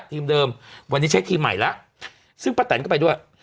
ทีมเดิมวันนี้ใช้ทีมใหม่แล้วซึ่งป้าแตนก็ไปด้วย